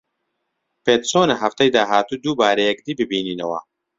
پێت چۆنە هەفتەی داهاتوو دووبارە یەکدی ببینینەوە؟